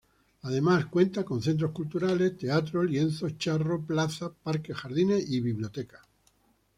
Además cuenta con centro culturales, teatro, lienzo charro, plaza, parques, jardines y biblioteca.